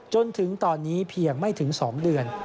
จนถึงตอนนี้เพียงไม่ถึง๒เดือน